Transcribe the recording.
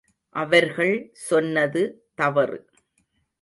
அவர்கள் சொன்னது தவறு.